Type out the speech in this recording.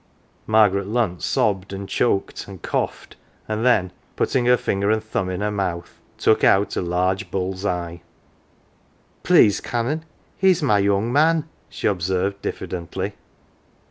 Margaret Lunt sobbed, and choked, and coughed, and then putting her finger and thumb in her mouth took out a large bull's eye. " Please Canon, he's my young man,'" she observed, diffidently.